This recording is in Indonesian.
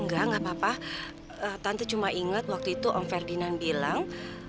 enggak enggak apa apa tante cuma ingat waktu itu om ferdinand bilang